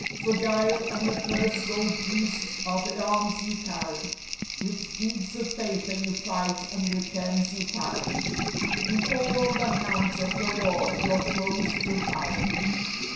For guile and a purse gold greased are the arms you carry; With deeds of paper you fight and with pens you parry; You call on the hounds of the law your foes to harry.